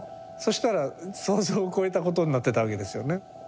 したら想像を超えたことになってたわけですよね。